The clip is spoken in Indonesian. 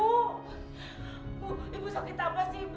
ibu ibu sakit apa sih bu